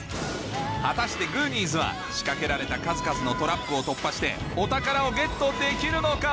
果たしてグーニーズは仕掛けられた数々のトラップを突破してお宝をゲットできるのか？